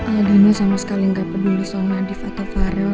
aladino sama sekali gak peduli soal nadif atau farel